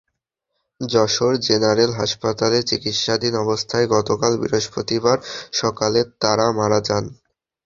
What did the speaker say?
Jessore general হাসপাতালে চিকিৎসাধীন অবস্থায় গতকাল বৃহস্পতিবার সকালে তাঁরা মারা যান।